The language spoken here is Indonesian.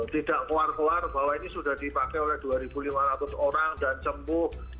tidak keluar keluar bahwa ini sudah dipakai oleh dua lima ratus orang dan sembuh